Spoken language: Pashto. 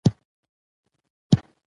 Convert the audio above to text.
د خښولو مراسم په ځاى کړو.